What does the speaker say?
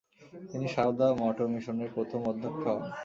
তিনি সারদা মঠ ও মিশনের প্রথম অধ্যক্ষা হন।